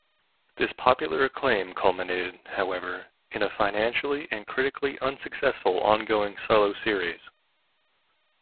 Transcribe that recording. This popular acclaim culminated, however, in a financially and critically unsuccessful ongoing solo series.